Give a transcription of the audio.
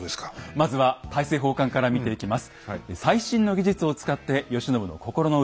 まずは大政奉還から見ていきます。